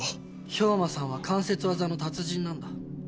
兵馬さんは関節技の達人なんだ。